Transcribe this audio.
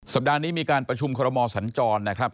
สัปดาห์นี้มีการประชุมคอรมอสัญจรนะครับ